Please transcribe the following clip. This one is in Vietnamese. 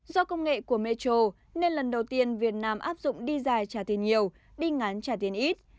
do công nghệ của metro nên lần đầu tiên việt nam áp dụng đi dài trả tiền nhiều đi ngán trả tiền ít